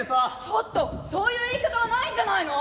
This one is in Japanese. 「ちょっとそういう言い方はないんじゃないの？」。